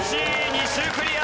２周クリア。